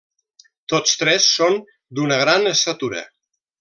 Tots tres són d'una gran estatura.